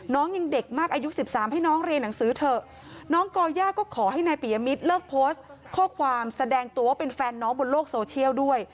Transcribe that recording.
น้องยังเด็กมากอายุ๑๓ให้น้องเรียนหนังสือเถอะน้องก่อย่าก็ขอให้นายปิยมิตรเลิกโพสต์ข้อความแสดงตัวว่าเป็นแฟนน้องบนโลกโซเชียลด้วย